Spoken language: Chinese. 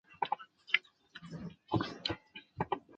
基本体是一种韩文印刷体。